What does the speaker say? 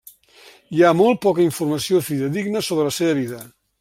Hi ha molt poca informació fidedigna sobre la seva vida.